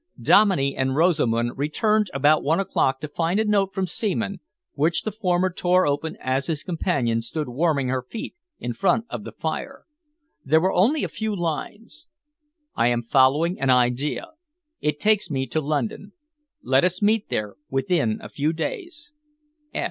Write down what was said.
Dominey and Rosamund returned about one o'clock to find a note from Seaman, which the former tore open as his companion stood warming her feet in front of the fire. There were only a few lines: "I am following an idea. It takes me to London. Let us meet there within a few days.